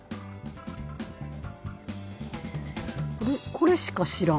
これしか知らん。